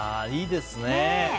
いいですね。